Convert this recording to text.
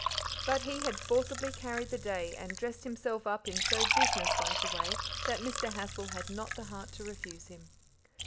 But he had forcibly carried the day, and dressed himself up in so business like a way that Mr. Hassel had not the heart to refuse him.